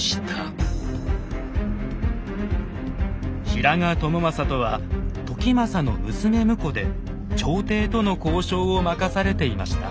平賀朝雅とは時政の娘婿で朝廷との交渉を任されていました。